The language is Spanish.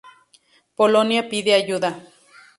Polonio pide ayuda.